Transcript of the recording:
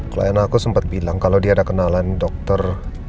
klien aku sempat bilang kalau dia ada kenalan dokter